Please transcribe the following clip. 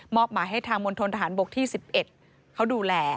หมายให้ทางมณฑนทหารบกที่๑๑เขาดูแล